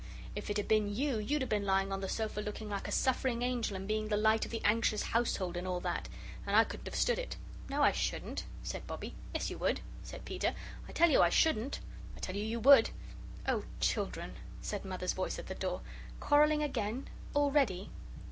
If it had been you, you'd have been lying on the sofa looking like a suffering angel and being the light of the anxious household and all that. And I couldn't have stood it." "No, I shouldn't," said Bobbie. "Yes, you would," said Peter. "I tell you I shouldn't." "I tell you you would." "Oh, children," said Mother's voice at the door. "Quarrelling again? Already?"